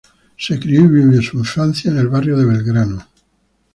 Se crio y vivió su infancia en el barrio de Belgrano.